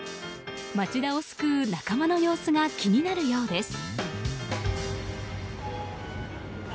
町田を救う仲間の様子が気になるようです。